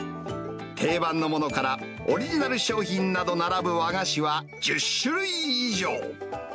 定番のものから、オリジナル商品など並ぶ和菓子は、１０種類以上。